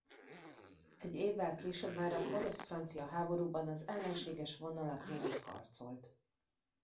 Egy évvel később már a Porosz–francia háborúban az ellenséges vonalak mögött harcolt.